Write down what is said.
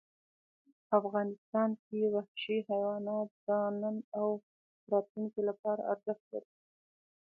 افغانستان کې وحشي حیوانات د نن او راتلونکي لپاره ارزښت لري.